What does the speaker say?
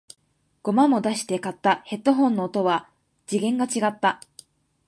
五万も出して買ったヘッドフォンの音は次元が違った